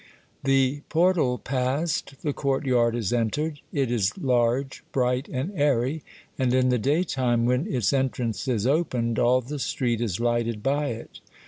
The portal passed, the courtyard is entered ; it is large, bright, and airy, and in the day time, when its entrance is opened, all the street is lighted by it.